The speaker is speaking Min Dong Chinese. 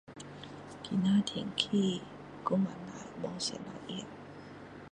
今天天气还不错没什么热